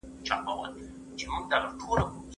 د ارغنداب سیند د کندهار د کرنیزو چارو ملا ده.